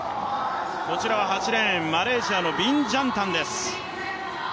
こちらは８レーン、マレーシアのビンジャンタンです。